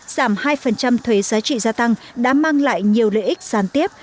giảm hai thuế giá trị gia tăng đã mang lại nhiều lợi ích sản tiếp